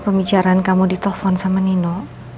pembicaraan kamu ditelepon sama nino